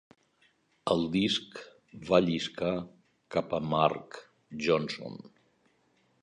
El disc va lliscar cap a Mark Johnson.